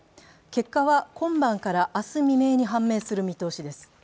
結果は今晩から明日未明に判明する見通しです。